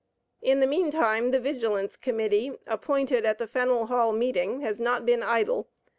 In the meantime, the Vigilance Committee, appointed at the Faneuil Hall meeting, has not been idle.